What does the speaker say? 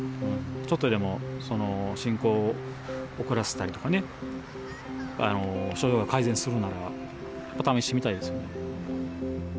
ちょっとでもその進行を遅らせたりとかね、症状が改善するなら試してみたいですよね。